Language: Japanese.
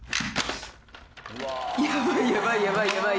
やばいやばいやばい。